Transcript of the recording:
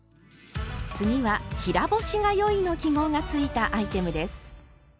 次は「平干しがよい」の記号がついたアイテムです。